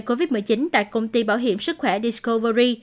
covid một mươi chín tại công ty bảo hiểm sức khỏe discowri